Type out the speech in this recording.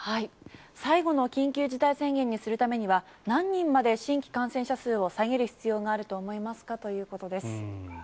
最後の緊急事態宣言にするためには何人まで新規感染者数を下げる必要がありますかということです。